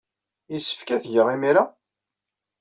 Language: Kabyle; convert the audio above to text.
Yessefk ad t-geɣ imir-a?